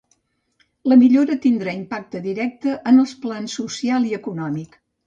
La millora tindrà impacte directe en els plans social i econòmic.